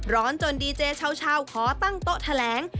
จนดีเจเช้าขอตั้งโต๊ะแถลง